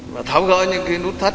và tháo gỡ những cái nút thắt